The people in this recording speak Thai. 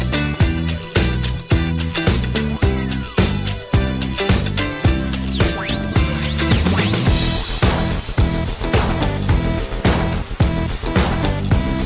ประกันจากพิเศษแรงทางใกล้มาพลาดไม่ได้ทุกประกันวันนี้ผมก็จะได้สำคัญ